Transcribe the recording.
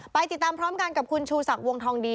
ไปติดตามพร้อมกันกับคุณชูศักดิ์วงทองดี